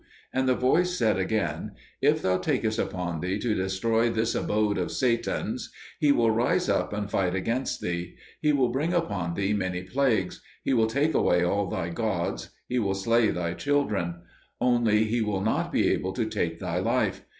And the voice said again, "If thou takest upon thee to destroy this abode of Satan's, he will rise up and fight against thee; he will bring upon thee many plagues; he will take away all thy gods; he will slay thy children. Only he will not be able to take thy life.